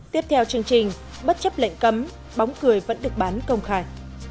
tiếp theo chương trình bất chấp lệnh cấm bóng cười vẫn được bán công khai